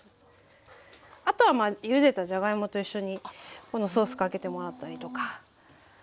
あとはゆでたじゃがいもと一緒にこのソースかけてもらったりとか。